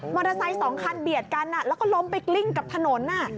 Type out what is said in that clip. สองคันเบียดกันแล้วก็ล้มไปกลิ้งกับถนน